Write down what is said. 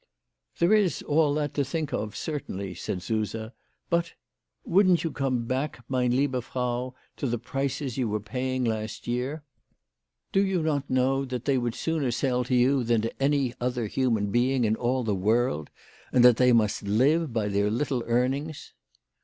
" There is all that to think of certainly," said Suse. "But . Wouldn't you come back, meine liebe Frau, to the prices you were paying last year ? Do E 50 WHY FRAU FROHMANN RAISED HER PRICES. you not know that they would sooner sell to you than to any other human being in all the world, and they must live by their little earnings